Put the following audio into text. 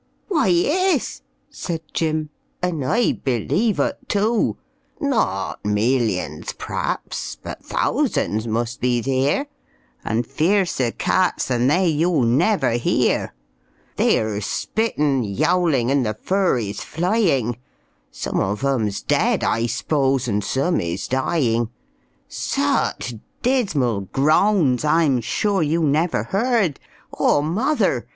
"Why, iss," said Jim, "and I beleeve ut too; Not millions p'rhaps, but thousands must be theere, And fiercer cats than they you'll never hear; They're spitting, yowling, and the fur is flying, Some of 'em's dead, I s'pose, and some is dying; Such dismal groans I'm sure you never heard, Aw, mother!